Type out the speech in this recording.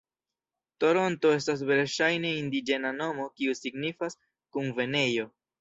Toronto estas verŝajne indiĝena nomo kiu signifas "Kunvenejo".